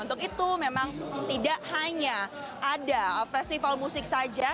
untuk itu memang tidak hanya ada festival musik saja